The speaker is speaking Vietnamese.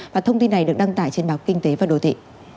và thông tin này được đăng tải trên báo kinh tế và đồ thị